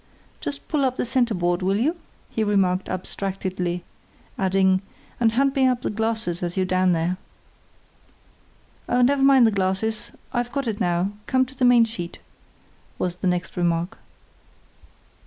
"Just pull up the centreboard, will you?" he remarked abstractedly, adding, "and hand me up the glasses as you are down there." "Never mind the glasses. I've got it now; come to the main sheet," was the next remark.